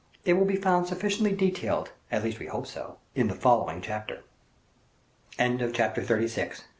It will be found sufficiently detailed, at least we hope so, in the following chapter. Chapter XXXVII.